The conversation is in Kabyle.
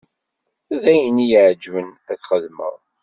D ayen i y-iɛeǧben ad t-xedmeɣ.